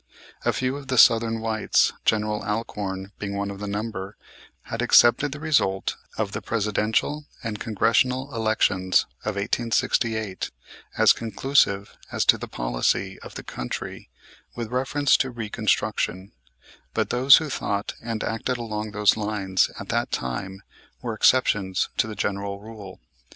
A few of the southern whites, General Alcorn being one of the number, had accepted the result of the Presidential and Congressional elections of 1868 as conclusive as to the policy of the country with reference to Reconstruction; but those who thought and acted along those lines at that time were exceptions to the general rule.